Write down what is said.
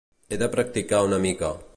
He de practicar una mica.